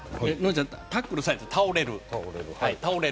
タックルされて倒れる。